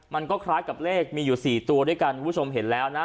มันก็คล้ายกับเลขมีอยู่๔ตัวด้วยกันคุณผู้ชมเห็นแล้วนะ